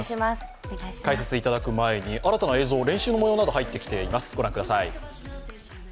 解説いただく前に、新たな映像、練習の模様なども入ってきています。